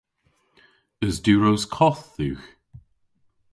Eus diwros koth dhywgh?